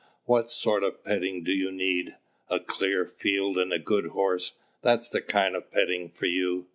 What sort of petting do you need? A clear field and a good horse, that's the kind of petting for you!